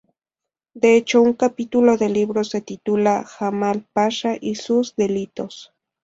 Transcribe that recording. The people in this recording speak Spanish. De hecho, un capítulo del libro se titula "Jamal Pasha y sus delitos".